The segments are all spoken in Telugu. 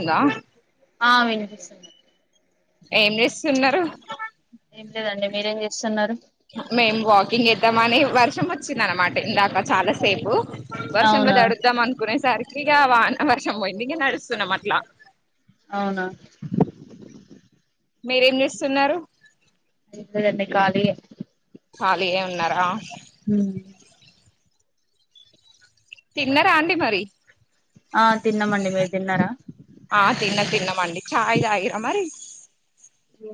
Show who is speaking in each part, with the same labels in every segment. Speaker 1: ఇంగా
Speaker 2: ఆ వినిపిస్తుంది
Speaker 1: ఏం చేస్తున్నరు
Speaker 2: ఏం లేదండి మీరేం చేస్తున్నారు
Speaker 1: మేము వాకింగ్ చేద్దామని వర్షం వచ్చిందన్నమాట ఇందాక చాలా సేపు వర్షంలో
Speaker 2: అవునా
Speaker 1: తడుద్ధాం అనుకునే సరికి ఇగ వాన వర్షం పోయింది ఇగ నడుస్తున్నాం అట్లా
Speaker 2: అవునా
Speaker 1: మీరేం జేస్తున్నారు
Speaker 2: ఏం లేదండి కాలియే
Speaker 1: ఖాలీయే ఉన్నారా
Speaker 2: ఉమ్
Speaker 1: తిన్నరా అండి మరి
Speaker 2: ఆ తిన్నమండి మీరు తిన్నారా
Speaker 1: ఆ తిన్న తిన్నమండి ఛాయ్ తాగిర్రా మరి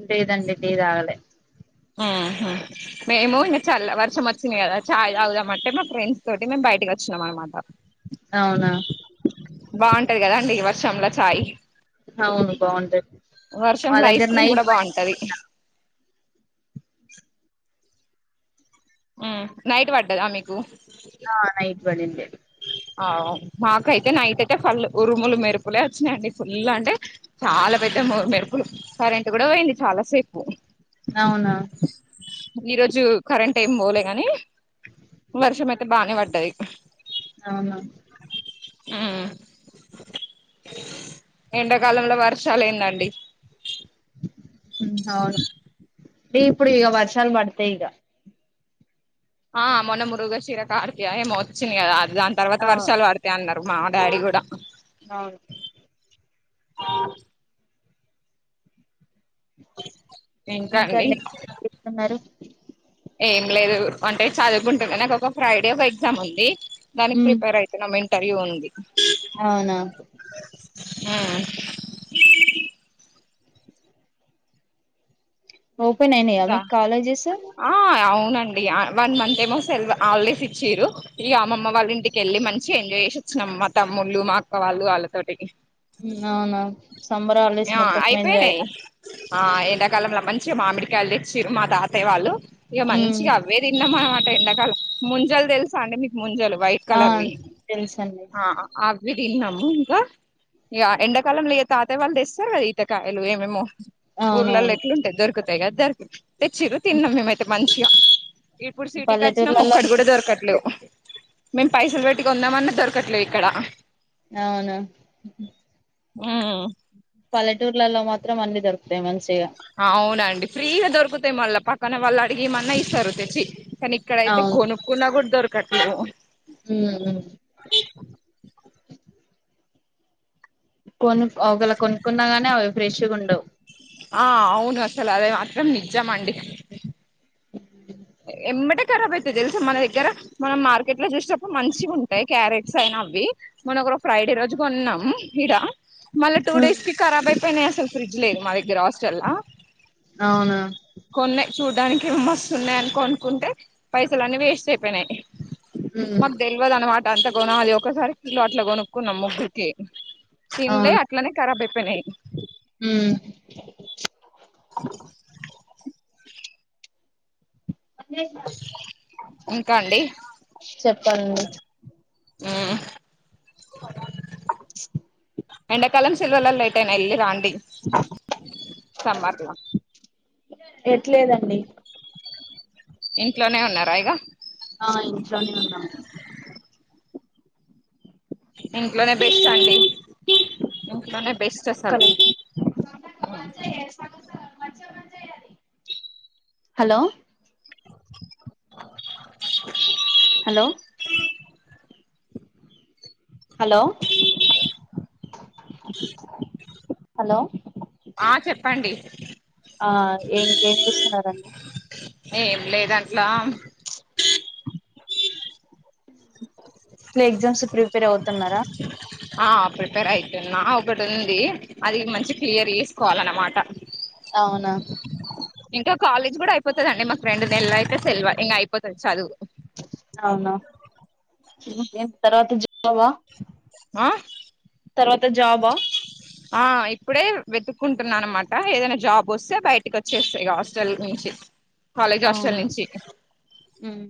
Speaker 2: లేదండి టీ తాగలె
Speaker 1: ఊహూ మేము ఇగ చల్ల వర్షం వచ్చింది కదా చాయ్ తాగుదామంటే మా ఫ్రెండ్స్ తోటి మేము బయటకి అచ్చినం అన్నమాట
Speaker 2: అవునా
Speaker 1: బావుంటది కదాండి ఈ వర్షంలో చాయ్
Speaker 2: అవును బాగుంటది మా
Speaker 1: వర్షంలో
Speaker 2: దగ్గర
Speaker 1: ఐస్ క్రీమ్
Speaker 2: నైట్
Speaker 1: కూడా
Speaker 2: పడింది
Speaker 1: బావుంటది ఊ నైట్ పడ్డదా మీకు
Speaker 2: ఆ నైట్ పడిండే
Speaker 1: ఆవ్ మాకైతే నైట్ అయితే ఫళ్ళు ఉరుములు మెరుపులే వచ్చినాయి ఫుల్ అంటే చాలా పెద్ద మొ మెరుపులు కరెంట్ కూడా పోయింది చాలా సేపు
Speaker 2: అవునా
Speaker 1: ఈరోజు కరెంట్ ఏం పోలే కాని వర్షం అయితే బానే పడ్డది
Speaker 2: అవునా
Speaker 1: ఆ ఎండకాలంల వర్షాలేందండి
Speaker 2: ఉమ్ అవును ఈ ఇప్పుడిగ వర్షాలు పడ్తాయి ఇగ
Speaker 1: ఆ మొన్న మృగశిర కార్తి ఆ ఏమో వచ్చింది గదా దాని తర్వాత
Speaker 2: ఆ
Speaker 1: వర్షాలు పడ్తయ్ అన్నారు మా డాడీ గుడా
Speaker 2: అవును
Speaker 1: ఇంకా అండి
Speaker 2: ఇంకండి ఏం చేస్తున్నారు
Speaker 1: ఏం లేదు అంటే చదువుకుంటున్న నాకు ఒక ఫ్రైడే ఒక ఎగ్జామ్ ఉంది దానికి ప్రిపేర్ అయి తున్న ఇంటర్వ్యూ ఉంది
Speaker 2: అవునా
Speaker 1: ఆ
Speaker 2: ఓపెన్ అయినాయా
Speaker 1: దా
Speaker 2: మీకు కాలేజెస్
Speaker 1: ఆ అవునండి వన్ మంత్ ఏమో సెల్వ ఆల్డేస్ ఇచ్చిరు ఇగ అమ్మమ్మ వాళ్ళ ఇంటికేళ్ళి మంచిగా ఎంజాయ్ జేసి వచ్చినాం మా తమ్ముళ్లు మా అక్క వాళ్ళు వాళ్ళతోటి
Speaker 2: ఉమ్ అవునా సంబర్ హలీడేస్
Speaker 1: ఆ
Speaker 2: మొత్తం
Speaker 1: అయిపోయినాయి
Speaker 2: ఎంజాయేనా
Speaker 1: ఆ ఎండాకాలంలో మంచిగా మామిడికాయలు దెచ్చిరు మా తాతయ్య వాళ్ళు ఇగ
Speaker 2: హ్మ్
Speaker 1: మంచిగా అవ్వే తిన్నాం అనమాట ఎండకాలం ముంజలు తెలుసా అండి మీకు ముంజలు వైట్
Speaker 2: ఆ
Speaker 1: కలర్ వి
Speaker 2: తెలుసండి
Speaker 1: అవి తిన్నాము ఇంకా ఇగ ఎండాకాలం ఇగ తాతయ్య వాళ్ళు తె స్తారు గదా ఈతకాయలు ఏమేమో ఊర్లల్లో
Speaker 2: అవునవును
Speaker 1: ఎట్లుంటాది దొరుకుతాయి గద దొరుకుతాయి తెచ్చిర్రు తిన్నాం మేమైతే మంచిగా ఇప్పుడు సిటీకచ్చినాం
Speaker 2: పల్లెటూర్లలో
Speaker 1: ఒక్కటి గుడా దొరకట్లేవ్ మేం పైసలు పెట్టి కొందామన్నా దొరకట్లే ఇక్కడ
Speaker 2: అవునా
Speaker 1: ఉమ్
Speaker 2: పల్లెటూర్లలో మాత్రం అన్ని దొరుకుతాయి మంచిగా
Speaker 1: అవునండి ఫ్రీగా దొరుకుతాయి మళ్ళా ప కన్న వాళ్ళు అడిగియిమన్నా ఇస్తారు తెచ్చి కానీ ఇక్కడైతే
Speaker 2: అవును
Speaker 1: కొనుకున్న గుడా దొరకట్లేవు
Speaker 2: ఉమ్ కొను ఒకవెలా కొనుక్కున్నాగాని అవి ఫ్రెష్గుండవు
Speaker 1: ఆ అవున అసలు అది మాత్రం నిజం అండి ఎంబాటే ఖరాబ్ అయితై తేల్సా మన దగ్గర మనం మార్కెట్ లో జూసేటప్పుడు మంచిగుంటాయ్ క్యారెట్స్ అయినా అవి మొన్న ఒకరోజు ఫ్రైడే రోజు కొన్నాం ఇడ మళ్ళా టూ డేస్ కి ఖరాబ్ అయిపోయినాయి అసలు ఫ్రిడ్జ్ లేదు మా దగ్గర హాస్టల్లా
Speaker 2: అవునా
Speaker 1: కొన్నాయి చూడ్డానికి ఏమో మస్తున్నాయి అని కొనుకుంటే పైసలు అన్నీ వేస్ట్ అయిపోయినాయి
Speaker 2: హ్మ్
Speaker 1: మాకు తెల్వదు అన్నమాట అంత గోనాలి ఒకసారి కిలో అట్లా కొను కున్నాం ముగ్గురికి తిన్లే అట్లనే ఖరాబ్ అయిపోయినై
Speaker 2: ఉమ్
Speaker 1: ఇంకా అండి
Speaker 2: చెప్పాలండి
Speaker 1: ఉమ్ ఎండాకాలం సెలవులల్ల ఎటైనా వెళ్ళి రాండి సమ్మర్లా
Speaker 2: ఎట్లేదండి
Speaker 1: ఇంట్లోనే ఉన్నరా ఇగ
Speaker 2: అ ఇంట్లోనే ఉన్నామండి
Speaker 1: ఇంట్లోనే బెస్ట్ అండి ఇంట్లోనే బెస్ట్
Speaker 2: ఒక్క
Speaker 1: అసలు
Speaker 2: నిమిషం హలో హలో హలో హలో
Speaker 1: ఆ చెప్పండి
Speaker 2: ఆ ఇంక ఏం చేస్తున్నరండి
Speaker 1: ఏం లేదు అట్లా
Speaker 2: ఇంట్లో ఎగ్జామ్స్కి ప్రిపేర్ అవుతున్నారా
Speaker 1: ఆ ప్రిపేర్ అయితున్నా ఒకటి ఉంది అది మంచిగ క్లియర్ చేసుకోవాలన్నమాట
Speaker 2: అవునా
Speaker 1: ఇంక కాలేజ్ కూడ అయిపోతదండి మాకు రెండు నెలలయితే సెల్వే ఇంక అయిపోతది చదువు
Speaker 2: అవునా ఓకే తర్వాత జా బా
Speaker 1: ఆ
Speaker 2: తర్వాత జాబా
Speaker 1: ఆ ఇప్పుడే వెతుక్కుంటున్నా అన్నమాట ఏదైనా జాబ్ వస్తే బయటికి వచ్చేస్త ఇగ హాస్టల్ నుంచి కాలేజ్ హాస్టల్
Speaker 2: అవునా
Speaker 1: నుంచి
Speaker 2: ఉమ్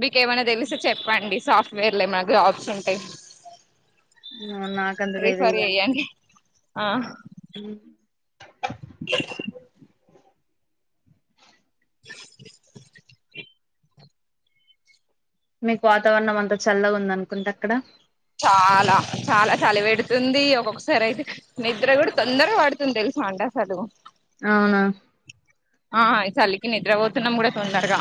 Speaker 1: మీకు ఏమైనా తెలిస్తే చెప్పండి సాఫ్ట్వేర్ లో ఏమైనా జాబ్స్ ఉంటె
Speaker 2: నాకంత
Speaker 1: రిఫర్
Speaker 2: తెలీదండి
Speaker 1: చెయ్యండి ఆ
Speaker 2: మీకు వాతావరణం అంత చల్లగ ఉందనుకుంట అక్కడ
Speaker 1: చాలా చాలా సలిపెడుతుంది ఒక్కొక్కసారి అయితే నిద్ర కూడా తొందరగా పడుతుంది తెలుసా అండి అసలు
Speaker 2: అవునా
Speaker 1: ఆ ఈ చలికి నిద్రపోతున్నాం కూడా తొందరగ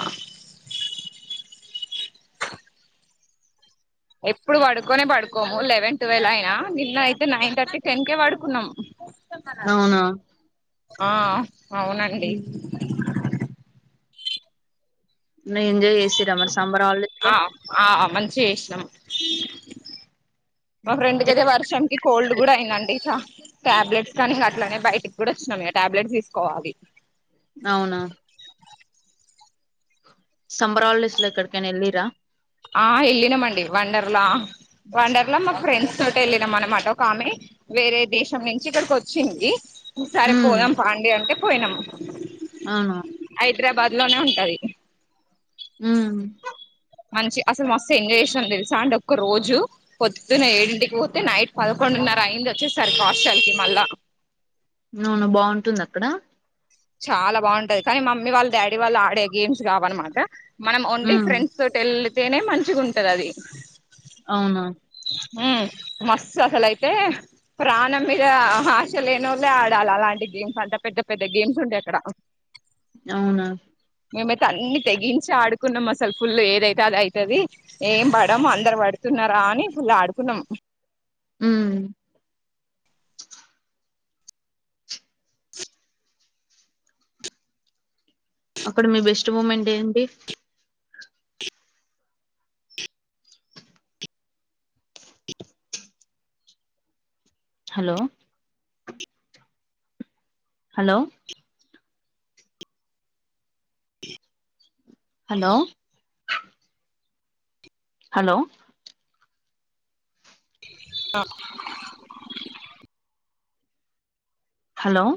Speaker 1: ఎప్పుడు పడుకోనే పడుకోము లెవెన్ ట్వెల్వ్ అయినా నిన్న అయితే నైన్ థర్టీ టెన్ కేే పడుకున్నాం
Speaker 2: అవునా
Speaker 1: ఆ అవునండి
Speaker 2: నే ఎంజాయ్ చేసిర్రా మరి సమ్మర్ హాలీడేస్
Speaker 1: ఆ ఆ మంచిగ చేసినం మా ఫ్రెండ్కయితే వర్షంకి కోల్డ్ కూడా అయిందండి టాబ్లెట్స్కనీ అట్లనే బయటికి కూడా వచ్చినాం టాబ్లెట్స్ తీసుకోవాలి
Speaker 2: అవునా సమ్మర్ హాలీడేస్ లో ఎక్కడికైనా ఎళ్ళిర
Speaker 1: ఆ ఎళ్ళినమండి వండర్లా వండర్ అట్ల మా ఫ్రెండ్స్ తోటి వెళ్ళినాం అనమాట ఒక ఆమె వేరే దేశం నుంచి ఇక్కడికి వచ్చింది సరే
Speaker 2: ఉమ్
Speaker 1: పోదాం పాండి అంటే పోయినం
Speaker 2: ఆ
Speaker 1: హైదరాబాద్లోనే ఉంటది
Speaker 2: ఉఉం
Speaker 1: మంచి అసలు మస్తు ఎంజాయ్ చేసినాం తెలుసా అంటె ఒక్క రోజు పొద్దున ఏడింటికి పోతే నైట్ పదకొండున్నర అయింది వచ్చేసరికి హాస్టల్కి మళ్ళా
Speaker 2: అవును బాగుంటుంది అక్కడ
Speaker 1: చాలా బాగుంటది కానీ మమ్మీ వాళ్ళు డాడీ వాళ్ళు ఆడే గేమ్స్ కావన్నమాట మనం ఓన్లీ
Speaker 2: ఉమ్
Speaker 1: ఫ్రెండ్స్ తోటి వెళితేనే మంచిగుంటది అది
Speaker 2: ఆవునున్
Speaker 1: ఉమ్ మస్త్ అసలయితే ప్రాణం మీద ఆశ లేని ఒల్లే ఆడాలి అలాంటి గేమ్స్ అంటె పెద్ద పెద్ద గేమ్స్ ఉంటయి అక్కడ
Speaker 2: అవునా
Speaker 1: మేమైతే అన్ని తెగించి ఆడుకున్నాం అసలు ఫుల్లు ఏదైతే అది అయితది ఏం పడము అందరు పడుతున్నారా అని ఫుళ్లు ఆడుకున్నాం
Speaker 2: ఉమ్ అక్కడ మీ బెస్ట్ మూమెంట్ ఏంటి హలో హలో హలో హలో
Speaker 1: అ
Speaker 2: హలో